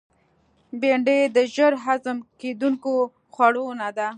بېنډۍ د ژر هضم کېدونکو خوړو نه ده